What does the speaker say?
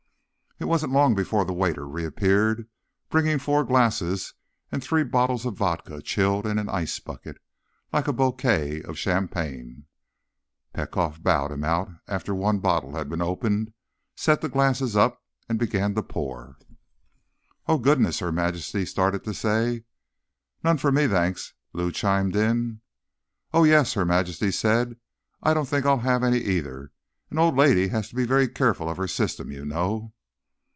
It wasn't long before the waiter reappeared, bringing four glasses and three bottles of vodka chilled in an ice bucket, like a bouquet of champagne. Petkoff bowed him out after one bottle had been opened, set the glasses up and began to pour. "Oh, goodness," Her Majesty started to say. "None for me, thanks," Lou chimed in. "Oh, yes," Her Majesty said. "I don't think I'll have any either. An old lady has to be very careful of her system, you know."